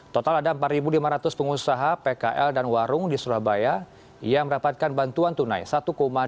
total ada empat lima ratus pengusaha pkl dan warung di surabaya yang mendapatkan bantuan tunai satu dua juta per orang